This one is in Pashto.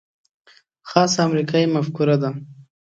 خاصه امریکايي مفکوره ده.